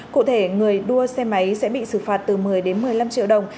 cụ thể người đua xe máy sẽ bị xử phạt từ một mươi đến một mươi năm triệu đồng